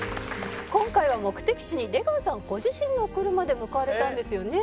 今回は目的地に出川さんご自身のお車で向かわれたんですよね？